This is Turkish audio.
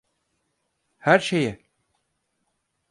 Her şeye.